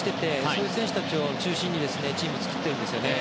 そういう選手たちを中心にチームを作っているんですよね。